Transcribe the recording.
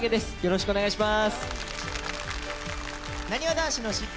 よろしくお願いします。